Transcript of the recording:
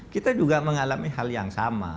kita juga mengalami hal yang sama